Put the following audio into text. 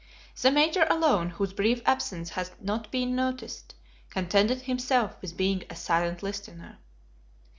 The Major alone, whose brief absence had not been noticed, contented himself with being a silent listener.